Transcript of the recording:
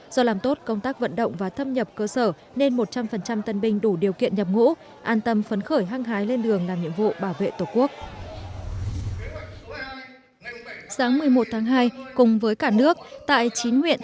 do làm tốt công tác vận động và thâm nhập cơ sở nên một trăm linh tân binh đủ điều kiện nhập ngũ an tâm phấn khởi hăng hái lên đường làm nhiệm vụ bảo vệ tổ quốc